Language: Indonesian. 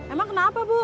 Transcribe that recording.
emang kenapa bu